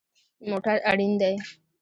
موټر اړین دی